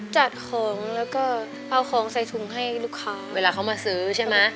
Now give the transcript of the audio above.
จัดของแล้วก็เอาของใส่ถุงให้ลูกค้าเวลาเขามาซื้อใช่ไหม